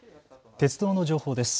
鉄道の情報です。